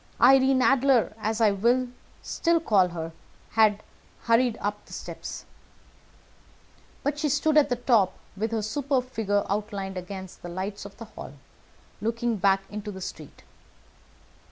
Irene Adler, as I will still call her, had hurried up the steps; but she stood at the top, with her superb figure outlined against the lights of the hall, looking back into the street.